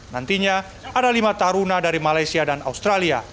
nantinya ada lima taruna dari malaysia dan australia